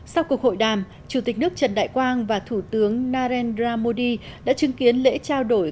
sau cuộc hội đàm chủ tịch nước trần đại quang và thủ tướng narendra modi đã chứng kiến lễ trao đổi